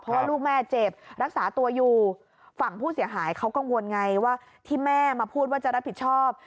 เพราะว่าลูกแม่เจ็บรักษาตัวอยู่ฝั่งผู้เสียหายเขากังวลไงว่าที่แม่มาพูดว่าจะรับผิดชอบ